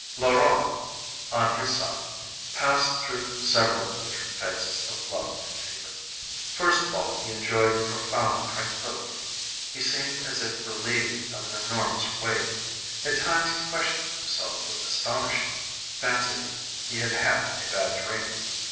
Laurent, on his side, passed through several different phases of love and fever. First of all he enjoyed profound tranquility; he seemed as if relieved of an enormous weight. At times he questioned himself with astonishment, fancying he had had a bad dream.